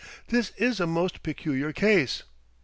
"This is a most peculiar case."